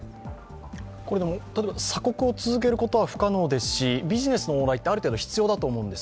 鎖国を続けることは不可能ですしビジネスの往来はある程度必要だと思うんです。